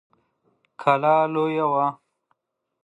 کلا لويه وه.